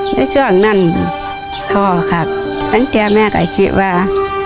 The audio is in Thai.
จากนั้นท่อค่ะตั้งแต่แม่ก็คิดว่า